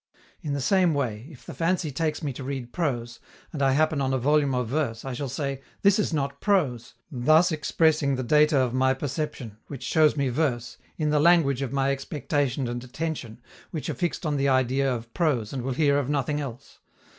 In the same way, if the fancy takes me to read prose, and I happen on a volume of verse, I shall say, "This is not prose," thus expressing the data of my perception, which shows me verse, in the language of my expectation and attention, which are fixed on the idea of prose and will hear of nothing else.